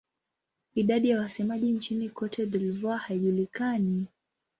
Idadi ya wasemaji nchini Cote d'Ivoire haijulikani.